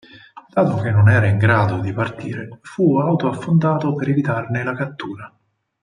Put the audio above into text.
Dato che non era in grado di partire, fu autoaffondato per evitarne la cattura.